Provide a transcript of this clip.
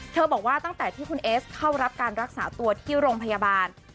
บอกว่าตั้งแต่ที่คุณเอสเข้ารับการรักษาตัวที่โรงพยาบาล